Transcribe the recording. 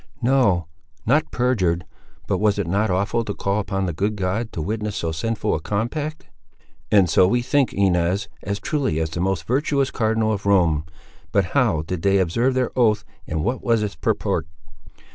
"No, not perjured: but was it not awful to call upon the good God to witness so sinful a compact?" "And so we think, Inez, as truly as the most virtuous cardinal of Rome. But how did they observe their oath, and what was its purport?"